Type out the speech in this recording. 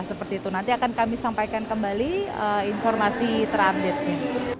seperti itu nanti akan kami sampaikan kembali informasi terupdate nya